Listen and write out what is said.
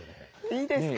いいですか？